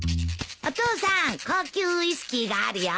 お父さん高級ウイスキーがあるよ。